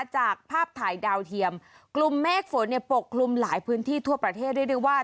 จากภาพถ่ายดาวเทียมกลุ่มเมฆฝนเนี่ยปกคลุมหลายพื้นที่ทั่วประเทศเรียกได้ว่า